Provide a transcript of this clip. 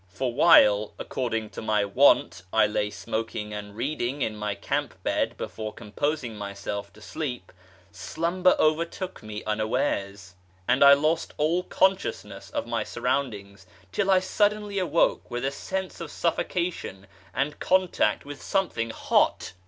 Por while, according to my wont, I lay smoking and reading in my camp bed before composing myself to sleep, slumber over took me unawares, and I lost all consciousness of my surround ings till I suddenly awoke with a sense of suffocation and contact with something hot.